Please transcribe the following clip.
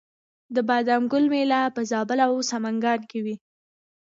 د بادام ګل میله په زابل او سمنګان کې وي.